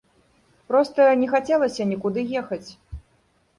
Проста не хацелася нікуды ехаць.